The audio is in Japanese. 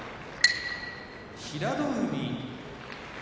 平戸海